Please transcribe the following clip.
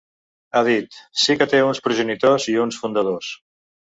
Ha dit: Sí que té uns progenitors i uns fundadors.